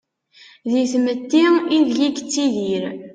Di tmetti ideg-i yettidir.